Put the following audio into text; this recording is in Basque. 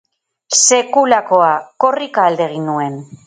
Sekulakoa, korrika alde egin nuen!